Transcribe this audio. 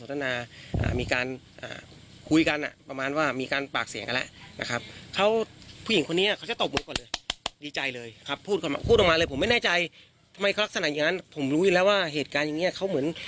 ทำไมเขารักษณะอย่างนั้นผมรู้อีกแล้วว่าเหตุการณ์อย่างนี้เขาเหมือน